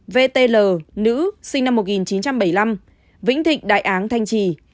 năm vtl nữ sinh năm một nghìn chín trăm bảy mươi năm vĩnh thịnh đại áng thanh trì